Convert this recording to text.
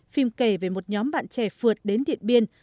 phim kể về một nhóm bạn trẻ phượt đến điện biên